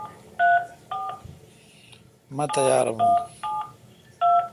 مہ تیار ہو۔